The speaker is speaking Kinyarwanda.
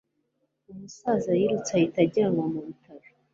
Umusaza yirutse ahita ajyanwa mu bitaro